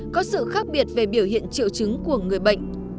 có sự khác biệt về biểu hiện triệu chứng của người bệnh